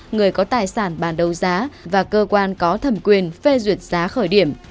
người có tài sản bàn đấu giá và cơ quan có thẩm quyền phê duyệt giá khởi điểm